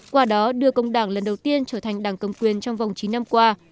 qua đó đưa công đảng lần đầu tiên trở thành đảng cầm quyền trong vòng chín năm qua